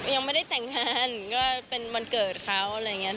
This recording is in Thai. ยังไม่ได้แต่งงานก็เป็นวันเกิดเขาอะไรอย่างนี้